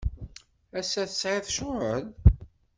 Ass-a, tesɛid ccɣel?